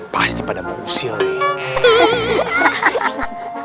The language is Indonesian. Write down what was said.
pasti pada mengusil nih